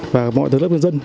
và mọi tầng lớp nhân dân